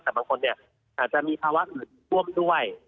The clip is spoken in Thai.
แต่บางคนอาจจะมีภาวะอื่นร่วมด้วย